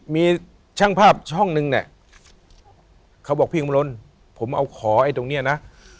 มีช่างภาพช่องนึงเนี่ยเขาบอกพี่อุบลผมเอาขอไอ้ตรงเนี้ยนะ